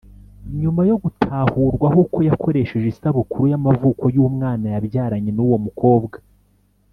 nyuma yo gutahurwaho ko yakoresheje isabukuru y’amavuko y’umwana yabyaranye n’uwo mukobwa